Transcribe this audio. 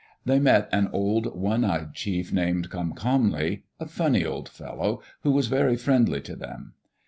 They met an old, one eyed chief named Comcomly, a funny old fellow, who was very friendly to them.